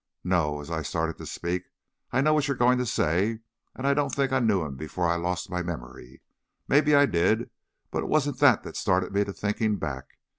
No," as I started to speak, "I know what you're going to say, and I don't think I knew him before I lost my memory. Maybe I did, but it wasn't that that startled me to thinking back.